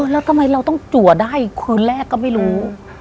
แล้วต้องตรวจได้คืนแรกก็ไม่รู้